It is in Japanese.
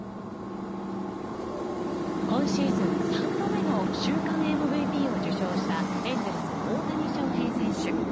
今シーズン３度目の週間ＭＶＰを受賞したエンゼルス、大谷翔平選手。